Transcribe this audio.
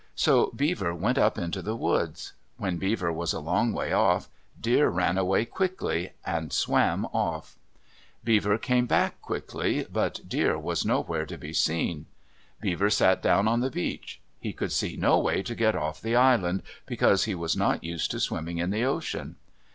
So Beaver went up into the woods. When Beaver was a long way off, Deer ran away quickly and swam off. Beaver came back quickly, but Deer was nowhere to be seen. Beaver sat down on the beach. He could see no way to get off the island, because he was not used to swimming in the ocean.